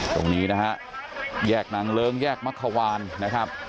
ตรงนี้นะฮะแยกนางเลิ้งแยกมักขวานนะครับ